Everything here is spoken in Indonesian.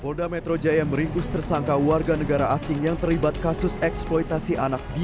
polda metro jaya meringkus tersangka warga negara asing yang terlibat kasus eksploitasi anak di